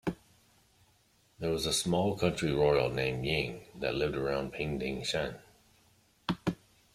There was a small country royal named Ying that lived around Pingdingshan.